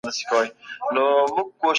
موږ به د دوی ترمنځ توپير روښانه کړو.